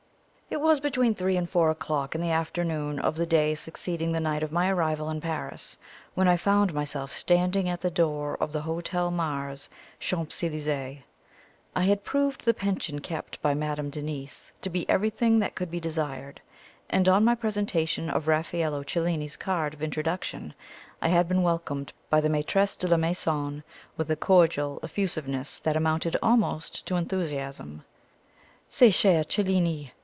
It was between three and four o'clock in the afternoon of the day succeeding the night of my arrival in Paris, when I found myself standing at the door of the Hotel Mars, Champs Elysees. I had proved the Pension kept by Madame Denise to be everything that could be desired; and on my presentation of Raffaello Cellini's card of introduction, I had been welcomed by the maitresse de la maison with a cordial effusiveness that amounted almost to enthusiasm. "Ce cher Cellini!"